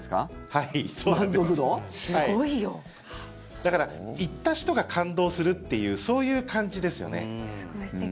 だから行った人が感動するというそういう感じですよね。